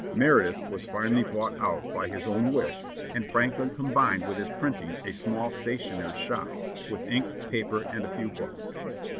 Meredith was finally bought out by his own wish, and Franklin combined with his printing a small stationer's shop, with ink, paper, and a few books.